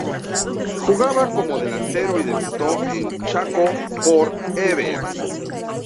Jugaba como delantero y debutó en Chaco For Ever.